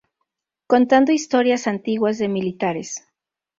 Contando historias antiguas de militares.